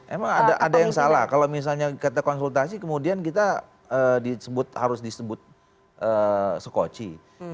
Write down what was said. emang ada yang salah kalau misalnya kita konsultasi kemudian kita harus disebut skoci